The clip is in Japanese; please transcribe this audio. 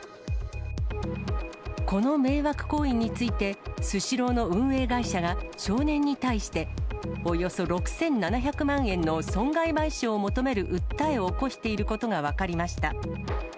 この迷惑行為について、スシローの運営会社が少年に対して、およそ６７００万円の損害賠償を求める訴えを起こしていることが分かりました。